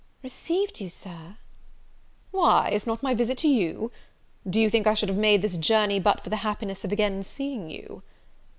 "Received you, Sir!" "Why, is not my visit to you?" Do you think I should have made this journey, but for the happiness of again seeing you?"